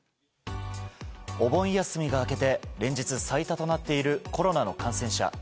お盆休みが明けて連日最多となっているコロナの感染者。